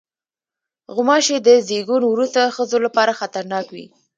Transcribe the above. غوماشې د زیږون وروسته ښځو لپاره خطرناک وي.